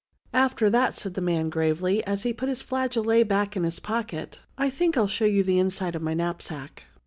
" After that," said the man gravely, as he put his flageolet back in his pocket, " I think I will show you the inside of my knapsack."